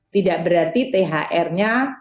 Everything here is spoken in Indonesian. tidak berarti thr nya